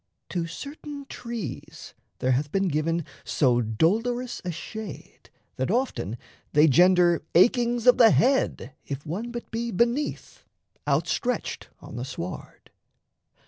To certain trees There hath been given so dolorous a shade That often they gender achings of the head, If one but be beneath, outstretched on the sward.